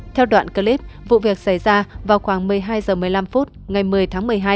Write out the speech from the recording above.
theo đoạn clip vụ việc xảy ra vào khoảng một mươi hai h một mươi năm phút ngày một mươi tháng một mươi hai